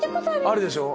あるでしょ？